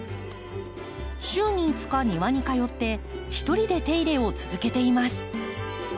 週に５日庭に通って一人で手入れを続けています。